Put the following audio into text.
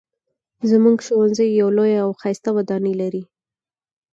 زموږ ښوونځی یوه لویه او ښایسته ودانۍ لري